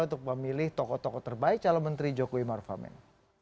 untuk memilih tokoh tokoh terbaik calon menteri jokowi maruf amin